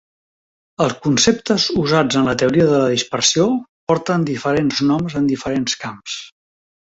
Els conceptes usats en la teoria de la dispersió porten diferents noms en diferents camps.